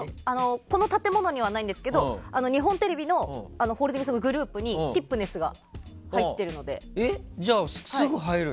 この建物にはないんですけど日本テレビのホールディングスのグループにティップネスが入っているので。